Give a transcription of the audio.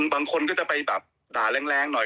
บางคนก็จะไปแบบด่าแรงหน่อย